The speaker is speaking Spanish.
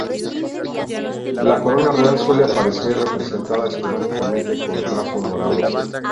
La corona real suele aparecer representada esquemáticamente con trazos dorados.